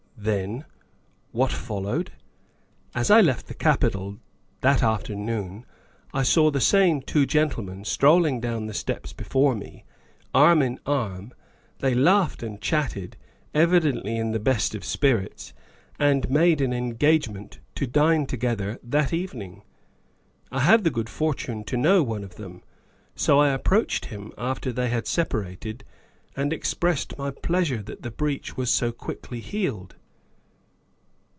Then, what followed? As I left the Capitol that afternoon I saw the same two gentlemen strolling down the steps before me, arm in arm; they laughted and chatted, evidently in the best of spirits, and made an engagement to dine together that evening. I have the good fortune to know one of them, so I approached him after they had separated and ex pressed my pleasure that the breach was so quickly healed."